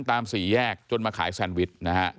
ตามสี่แยกจนมาขายแซนวิต